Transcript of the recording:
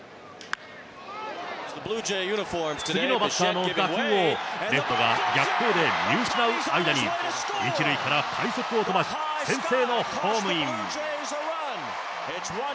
次のバッターの打球を、レフトが逆光で見失う間に１塁から快足を飛ばし、先制のホームイン。